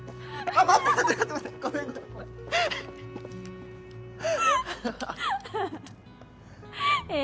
待って待って待ってごめんごめんごめんえ